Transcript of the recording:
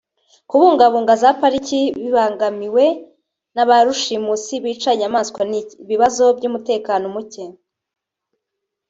kubungabunga za pariki bibangamiwe na ba rushimusi bica inyamaswa n’ibibazo by’umutekano muke